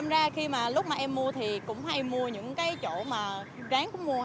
ra khi mà lúc mà em mua thì cũng hay mua những cái chỗ mà ráng cũng mua